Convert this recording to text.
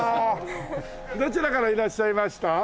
どちらからいらっしゃいました？